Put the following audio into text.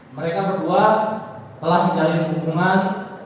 mereka berdua telah menjalin hubungan